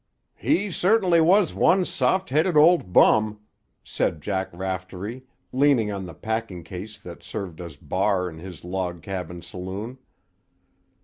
"He certainly was one soft headed old bum," said Jack Raftery, leaning on the packing case that served as bar in his logcabin saloon.